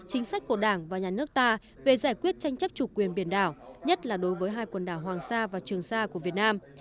chính sách của đảng và nhà nước ta về giải quyết tranh chấp chủ quyền biển đảo nhất là đối với hai quần đảo hoàng sa và trường sa của việt nam